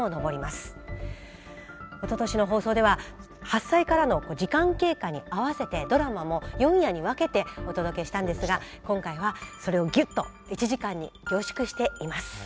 おととしの放送では発災からの時間経過に合わせてドラマも４夜に分けてお届けしたんですが今回はそれをギュッと１時間に凝縮しています。